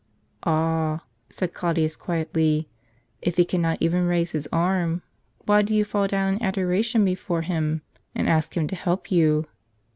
"Ah," said Claudius quietly, "if he cannot even raise his arm, why do you fall down in adoration before him and ask him to help you!